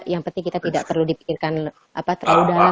yang penting kita tidak perlu dipikirkan terlalu dalam